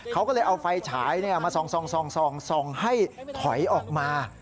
เขาก็เลยเอาไฟฉายมาส่องให้ถอยออกมา